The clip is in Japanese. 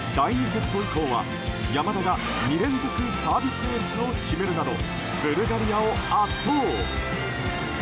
第２セット以降は山田が２連続サービスエースを決めるなどブルガリアを圧倒。